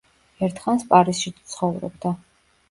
ერთხანს პარიზშიც ცხოვრობდა.